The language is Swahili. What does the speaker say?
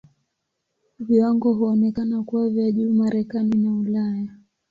Viwango huonekana kuwa vya juu Marekani na Ulaya.